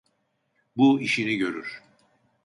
Bu işini görür.